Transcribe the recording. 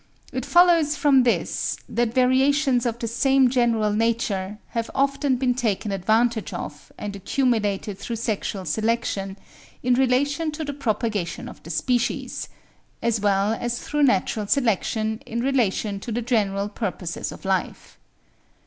It follows from this, that variations of the same general nature have often been taken advantage of and accumulated through sexual selection in relation to the propagation of the species, as well as through natural selection in relation to the general purposes of life.